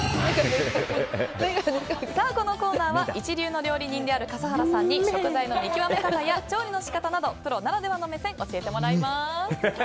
このコーナーは一流の料理人である笠原さんに食材の見極め方や調理の仕方などプロならではの目線を教えてもらいます。